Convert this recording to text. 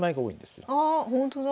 あほんとだ。